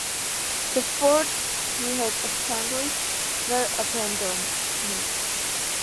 The forts he had established were abandoned.